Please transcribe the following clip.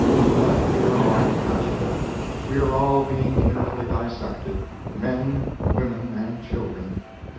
But we are all catching it—we are all being carefully dissected—men, women, and children.